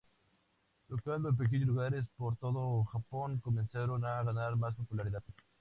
Tocando en pequeños lugares por todo Japón, comenzaron a ganar más popularidad.